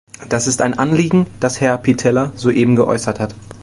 Das ist ein Anliegen, das Herr Pittella soeben geäußert hat.